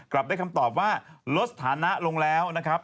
กลับได้คำตอบว่าลดสถานะลงแล้วนะครับ